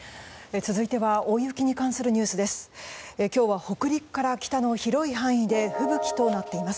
続いては大雪に関するニュースです。